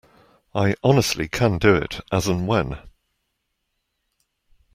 I honestly can do it as and when.